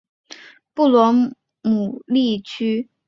洛特生于英国伦敦东南的布罗姆利区。